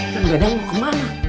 kang dadang mau ke mana